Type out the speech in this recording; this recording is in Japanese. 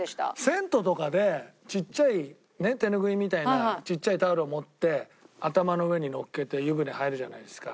銭湯とかでちっちゃい手拭いみたいなちっちゃいタオルを持って頭の上にのっけて湯船入るじゃないですか。